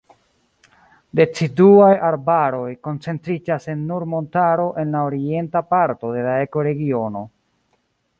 Deciduaj arbaroj koncentriĝas en Nur-Montaro en la orienta parto de la ekoregiono.